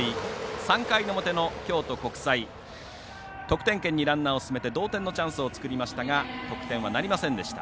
３回の表の京都国際得点圏にランナーを進めて同点のチャンスを作りましたが得点はなりませんでした。